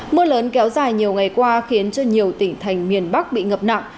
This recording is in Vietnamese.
mưa lớn kéo dài nhiều ngày qua khiến cho nhiều tỉnh thành miền bắc bị ngập nặng